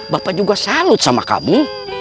bapak juga salut sama kamu